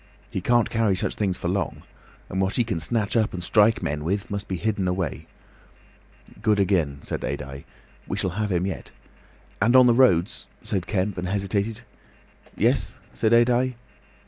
He can't carry such things for long. And what he can snatch up and strike men with must be hidden away." "Good again," said Adye. "We shall have him yet!" "And on the roads," said Kemp, and hesitated. "Yes?" said Adye.